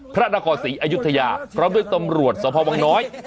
พระนครศรีอยุธยาพร้อมด้วยตำรวจสพวังน้อย